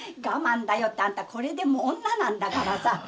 「我慢だよ」ってあんたこれでも女なんだからさ。